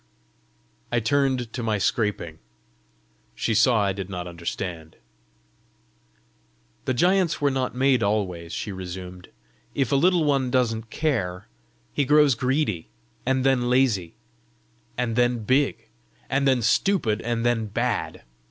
I turned to my scraping. She saw I did not understand. "The giants were not made always," she resumed. "If a Little One doesn't care, he grows greedy, and then lazy, and then big, and then stupid, and then bad.